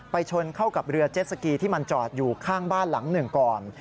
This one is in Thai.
ชนเข้ากับเรือเจ็ดสกีที่มันจอดอยู่ข้างบ้านหลังหนึ่งก่อน